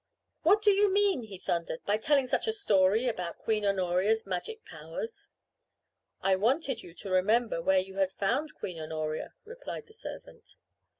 "What do you mean," he thundered, "by telling such a story about Queen Honoria's magic powers?" "I wanted you to remember where you had found Queen Honoria," replied the servant.